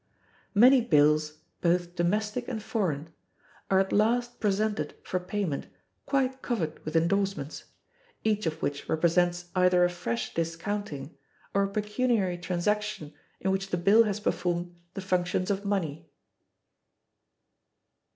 Many bills, both domestic and foreign, are at last presented for payment quite covered with indorsements, each of which represents either a fresh discounting, or a pecuniary transaction in which the bill has performed the functions of money.